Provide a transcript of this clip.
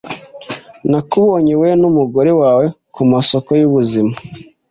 Nakubonye wowe n'umugore wawe Ku masoko y'ubuzima.